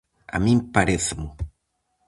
A min parécemo.